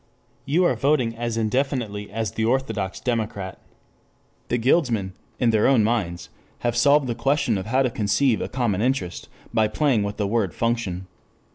You are voting as indefinitely as the orthodox democrat. 6 The guildsmen in their own minds have solved the question of how to conceive a common interest by playing with the word function.